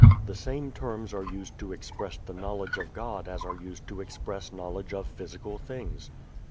The same terms are used to express the knowledge of God as are used to express knowledge of physical things.